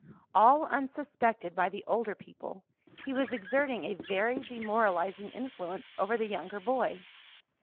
All unsuspected by the older people, he was exerting a very demoralizing influence over the younger boy.